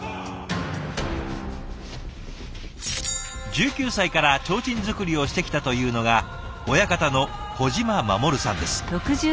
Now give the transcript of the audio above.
１９歳から提灯作りをしてきたというのが親方の小嶋護さんです。